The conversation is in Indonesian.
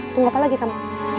tunggu apa lagi kamu